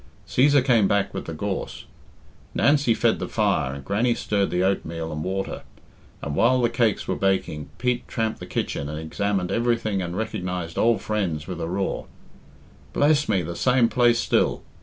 Cæsar came back with the gorse; Nancy fed the fire and Grannie stirred the oatmeal and water. And while the cakes were baking, Pete tramped the kitchen and examined everything and recognised old friends with a roar. "Bless me! the same place still.